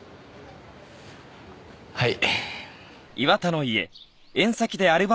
はい。